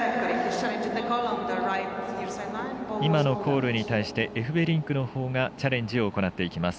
今のコールに対してエフベリンクのほうがチャレンジを行っていきます。